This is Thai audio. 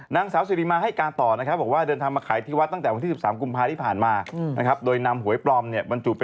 นางสาวซิริมาให้การต่อนะครับบอกว่าเดินทางมาขายอาทิวัตฯ